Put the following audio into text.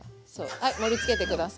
はい盛りつけて下さい。